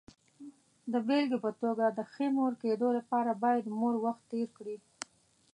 د بېلګې په توګه، د ښې مور کېدو لپاره باید مور وخت تېر کړي.